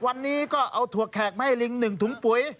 วันนี้ก็เอาถั่วแขกมาให้ลิง๑ถุงปุ๋ย